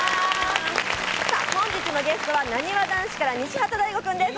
本日のゲストは、なにわ男子から西畑大吾さんです。